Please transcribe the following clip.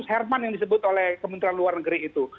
herman yang disebut oleh kementerian luar negeri itu